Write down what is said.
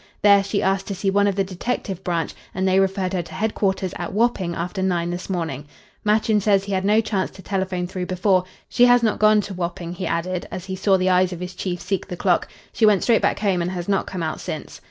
There she asked to see one of the detective branch, and they referred her to headquarters at Wapping after nine this morning. Machin says he had no chance to telephone through before. She has not gone to Wapping," he added, as he saw the eyes of his chief seek the clock. "She went straight back home and has not come out since."